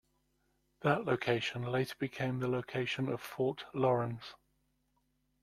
That location later became the location of Fort Laurens.